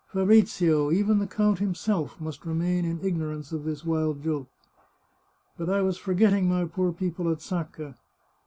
Fabrizio, even the count himself, must remain in ignorance of this wild joke. ... But I was forgetting my poor people at Sacca.